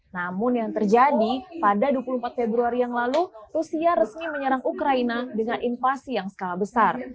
namun yang terjadi pada dua puluh empat februari yang lalu rusia resmi menyerang ukraina dengan invasi yang skala besar